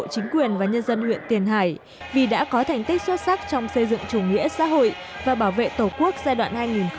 chính quyền và nhân dân huyện tiền hải vì đã có thành tích xuất sắc trong xây dựng chủ nghĩa xã hội và bảo vệ tổ quốc giai đoạn hai nghìn một mươi bốn hai nghìn hai mươi ba